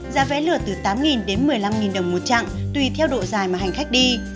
giá vé lượt từ tám đến một mươi năm đồng một chặng tùy theo độ dài mà hành khách đi